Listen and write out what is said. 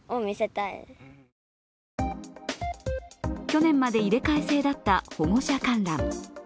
去年まで入れ替え制だった保護者観覧。